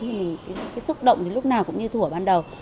thì cái xúc động thì lúc nào cũng như thủ ở ban đầu